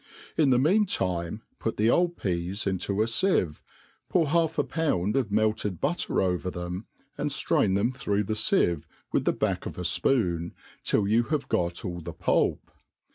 In the mean time put the old peas into a fieve, pour half a pound of melted butter over them, and ftrain them through the fieve with the back of a fpoon, till you have got all the pulp.